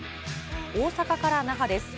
大阪から那覇です。